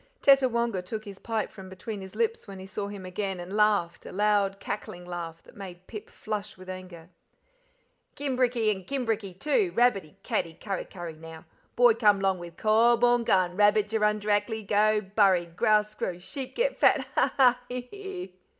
Tettawonga took his pipe from between his lips when he saw him again and laughed, a loud cackling laugh, that made Pip flush with anger. "Kimbriki and kimbriki, too! Rabbit he catti, curri curri now. Boy come long with cawbawn gun, rabbit jerund drekaly, go burri, grass grow, sheep get fat ha, ha, he, he!"